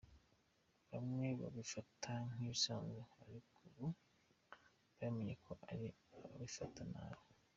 Bamwe babifata nk’ibisanzwe ariko ubu yamenye ko hari ababifata nabi.